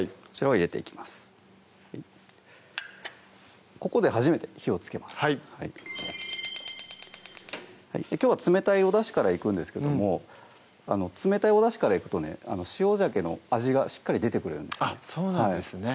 はいきょうは冷たいおだしからいくんですけども冷たいおだしからいくとね塩じゃけの味がしっかり出てくれるんですねそうなんですね